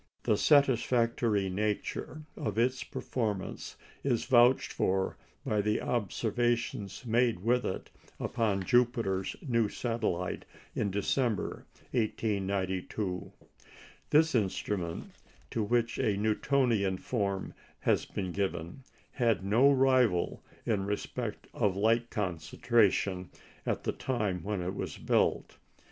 The satisfactory nature of its performance is vouched for by the observations made with it upon Jupiter's new satellite in December, 1892. This instrument, to which a Newtonian form has been given, had no rival in respect of light concentration at the time when it was built.